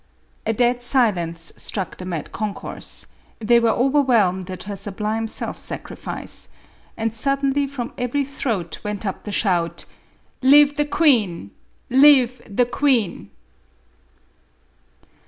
A dead silence struck the mad concourse; they were overwhelmed at her sublime self sacrifice, and suddenly from every throat went up the shout, " Live the queen !— live the queen